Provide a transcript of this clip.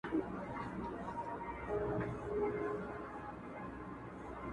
نن په سلگو كي د چا ياد د چا دستور نه پرېږدو~